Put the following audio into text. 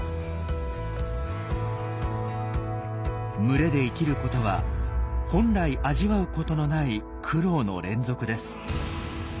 群れで生きることは本来味わうことのない苦労の連続です。